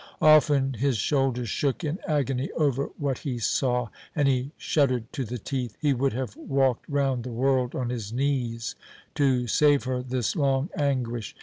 Often his shoulders shook in agony over what he saw, and he shuddered to the teeth. He would have walked round the world on his knees to save her this long anguish!